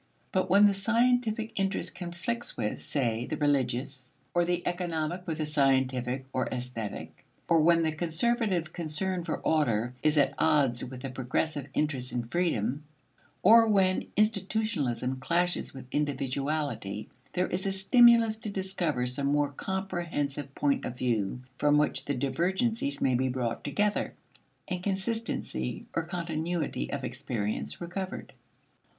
But when the scientific interest conflicts with, say, the religious, or the economic with the scientific or aesthetic, or when the conservative concern for order is at odds with the progressive interest in freedom, or when institutionalism clashes with individuality, there is a stimulus to discover some more comprehensive point of view from which the divergencies may be brought together, and consistency or continuity of experience recovered.